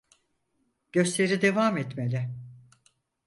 Gösteri devam etmeli.